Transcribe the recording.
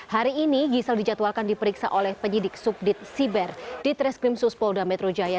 hari ini giselle dijadwalkan diperiksa oleh penyidik sukdit siber di treskrim sus polda metro jaya